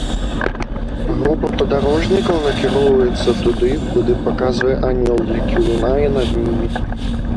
Група падарожнікаў накіроўваецца туды, куды паказвае анёл, які лунае над імі.